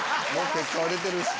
結果は出てるし。